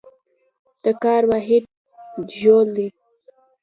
د کار واحد جول دی.